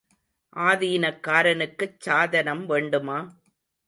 ஆதீனக்காரனுக்குச் சாதனம் வேண்டுமா?